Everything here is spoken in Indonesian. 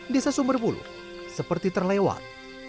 desa sumberbuluh seperti terlewat